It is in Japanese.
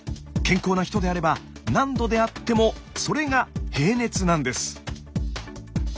健康な人であれば何度であってもそれが「平熱」なんです。